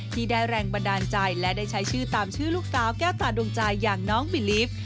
ที่ได้แรงบันดาลใจและได้ใช้ชื่อตามชื่อลูกสาวแก้วตาดวงใจอย่างน้องบิลิฟต์